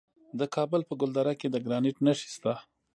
د کابل په ګلدره کې د ګرانیټ نښې شته.